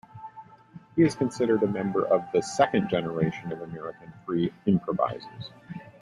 He is considered a member of the "second generation" of American free improvisers.